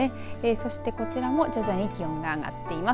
そしてこちらも徐々に気温が上がっています。